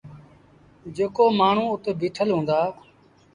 جيڪو مآڻهوٚٚ اُت بيٚٺل هُݩدآ